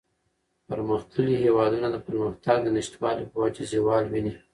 پرمختللي هېوادونه د پرمختگ د نشتوالي په وجه زوال ویني.